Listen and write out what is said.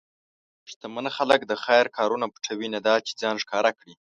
شتمن خلک د خیر کارونه پټوي، نه دا چې ځان ښکاره کړي.